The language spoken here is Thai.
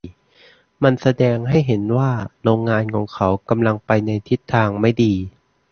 มันแสดงให้เห็นว่าโรงงานของเขากำลังไปในทิศทางไม่ดี